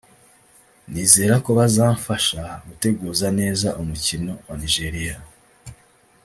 nizera ko bazamfasha gutegura neza umukino wa Nigeria